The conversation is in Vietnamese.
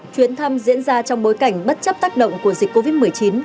chuyến thăm diễn ra trong bối cảnh bất chấp tác động của dịch covid một mươi chín